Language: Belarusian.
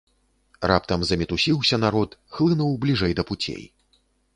Раптам замітусіўся народ, хлынуў бліжэй да пуцей.